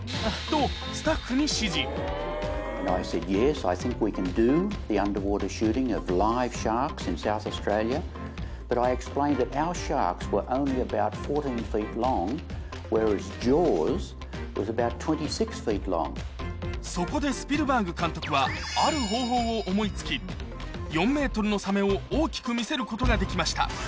スピルバーグ監督はそこでスピルバーグ監督はある方法を思い付き４ｍのサメを大きく見せることができました